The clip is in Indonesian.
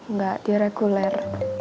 nggak di reguler